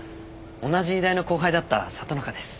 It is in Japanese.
同じ医大の後輩だった里中です。